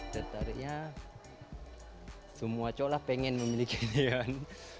dan tariknya semua cowok lah pengen memiliki ini kan